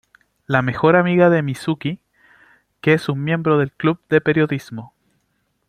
La mejor amiga de Mizuki que es un miembro del Club de Periodismo.